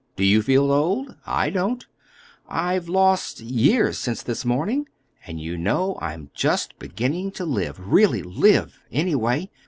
Do you feel old? I don't. I've lost—years since this morning. And you know I'm just beginning to live—really live, anyway!